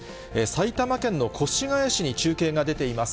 埼玉県の越谷市に中継が出ています。